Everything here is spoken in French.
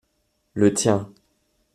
Le tien.